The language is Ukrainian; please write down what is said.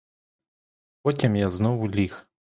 Потім я знову ліг.